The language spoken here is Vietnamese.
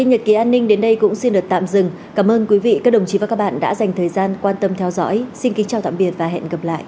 hãy đăng ký kênh để ủng hộ kênh của mình nhé